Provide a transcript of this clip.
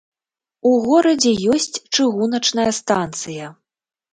У горадзе ёсць чыгуначная станцыя.